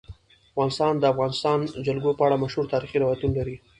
افغانستان د د افغانستان جلکو په اړه مشهور تاریخی روایتونه لري.